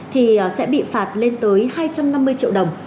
thì sẽ bị phạt lên tới hai trăm năm mươi triệu đồng